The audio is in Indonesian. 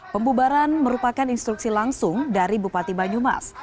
pembubaran merupakan instruksi langsung dari bupati banyumas